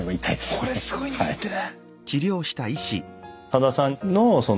これすごいんですってね。